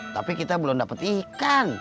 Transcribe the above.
tapi kita belum dapat ikan